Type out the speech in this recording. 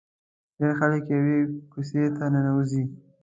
ډېر خلک یوې کوڅې ته ننوځي.